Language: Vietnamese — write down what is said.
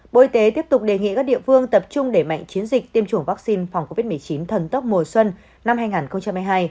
bộ y tế tiếp tục đề nghị các địa phương tập trung để mạnh chiến dịch tiêm chủng vaccine phòng covid một mươi chín thần tốc mùa xuân năm hai nghìn hai mươi hai